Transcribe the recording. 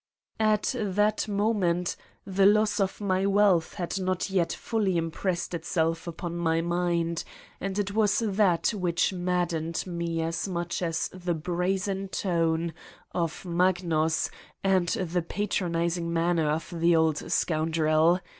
At that moment the loss of my wealth had not yet fully impressed itself upon my mind and it was that which maddened me as much as the brazen tone of Magnus and the patronizing man ner of the old scoundrel.